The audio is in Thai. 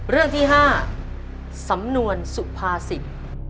เรื่องที่๕สำนวนสุภาษิต